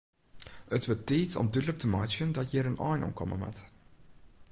It wurdt tiid om dúdlik te meitsjen dat hjir in ein oan komme moat.